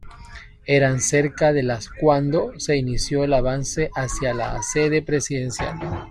Eran cerca de las cuando se inició el avance hacia la sede presidencial.